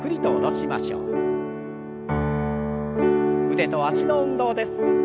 腕と脚の運動です。